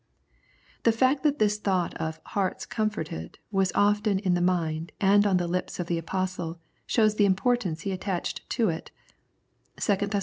The fact that this thought of " hearts com forted " was often in the mind and on the lips of the Apostle shows the importance he attached to it (2 Thess.